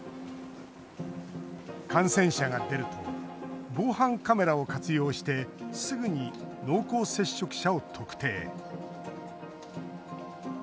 感染者が出ると防犯カメラを活用してすぐに濃厚接触者を特定。